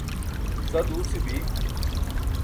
sa duusi bi